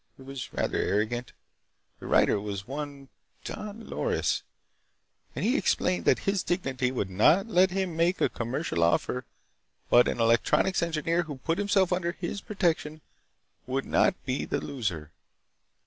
It was rather arrogant. The writer was one Don Loris, and he explained that his dignity would not let him make a commercial offer, but an electronic engineer who put himself under his protection would not be the loser.